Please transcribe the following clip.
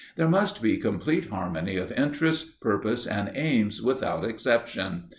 There must be complete harmony of interests, purpose, and aims, without exception.